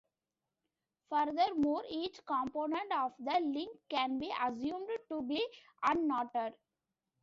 Furthermore, each component of the link can be assumed to be unknotted.